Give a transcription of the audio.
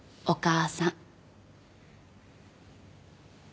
お母さん。